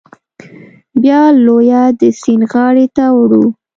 بیا لیوه د سیند غاړې ته وړو.